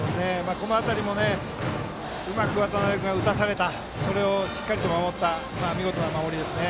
この辺りも、うまく渡邉君が打たされた、しっかり守った見事な守りですね。